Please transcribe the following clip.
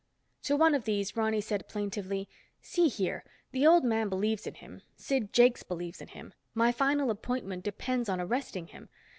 To one of these, Ronny said plaintively, "See here, the Old Man believes in him, Sid Jakes believes in him. My final appointment depends on arresting him.